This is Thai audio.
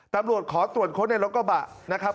ตำรวจขอตรวจค้นในรถกระบะนะครับ